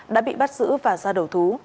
đã bị bắt giữ và ra đổ thú